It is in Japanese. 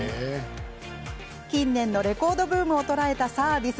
近年のレコードブームを捉えたサービス。